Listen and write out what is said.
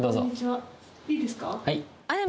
はい。